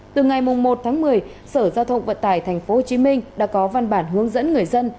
từ ngày một tháng một mươi sở giao thông vận tải tp hcm đã có văn bản hướng dẫn người dân